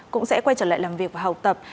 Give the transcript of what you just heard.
cũng sẽ quay trở lại làm việc và học tập